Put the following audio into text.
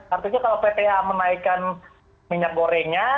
artinya kalau pta menaikkan minyak gorengnya